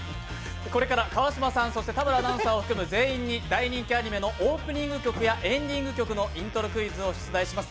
これから川島さん、そして田村アナウンサーを含む全員に大人気アニメのオープニング曲やエンディング曲を出題します。